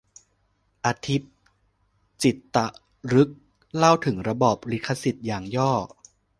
อธิป จิตตฤกษ์ เล่าถึงระบอบลิขสิทธิ์อย่างย่อ